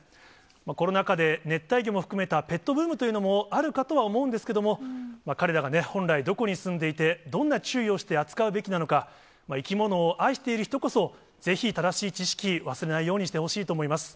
コロナ禍で熱帯魚も含めたペットブームというのもあるかとは思うんですけれども、彼らが本来どこに住んでいて、どんな注意をして扱うべきなのか、生き物を愛している人こそ、ぜひ正しい知識、忘れないようにしてほしいと思います。